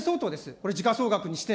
これ、時価総額にして。